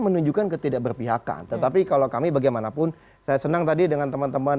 menunjukkan ketidakberpihakan tetapi kalau kami bagaimanapun saya senang tadi dengan teman teman